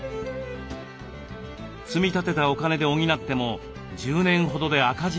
積み立てたお金で補っても１０年ほどで赤字になります。